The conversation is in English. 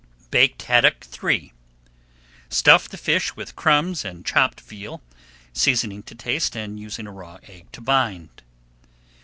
BAKED HADDOCK III Stuff the fish with crumbs and chopped veal, seasoning to taste and using a raw egg to bind.